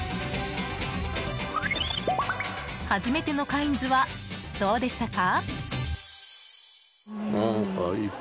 初めてのカインズはどうでしたか？